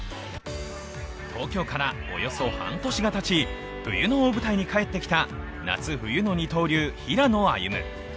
東京からおよそ半年がたち、冬の大舞台に帰ってきた夏冬の二刀流・平野歩夢。